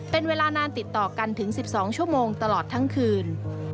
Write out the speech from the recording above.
เป็นเวลานานติดต่อกันถึง๑๒ชั่วโมงตลอดทั้งคืน